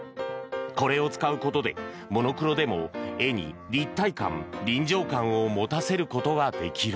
これを使うことでモノクロでも絵に立体感、臨場感を持たせることができる。